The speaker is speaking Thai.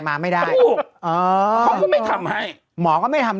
เบลล่าเบลล่า